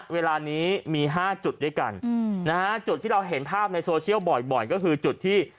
เวลานี้มี๕จุดด้วยกันนะฮะจุดที่เราเห็นภาพในโซเชียลบ่อยก็คือจุดที่